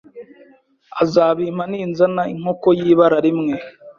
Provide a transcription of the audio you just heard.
azabimpa ninzana inkoko y’ibara rimwe,